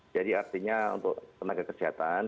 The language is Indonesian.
jadi artinya untuk tenaga kesehatan